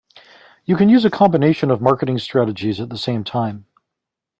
You can use a combination of marketing strategies at the same time.